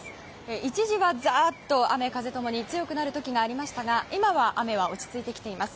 一時はザーッと雨風共に強くなる時がありましたが今は雨は落ち着いてきています。